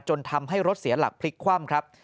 จนทำให้รถเสียหลักพลิกคว่ำครับ